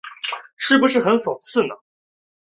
是不是很讽刺呢？